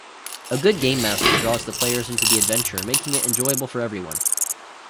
A good gamemaster draws the players into the adventure, making it enjoyable for everyone.